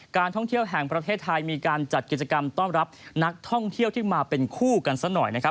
การท่องเที่ยวแห่งประเทศไทยมีการจัดกิจกรรมต้อนรับนักท่องเที่ยวที่มาเป็นคู่กันซะหน่อยนะครับ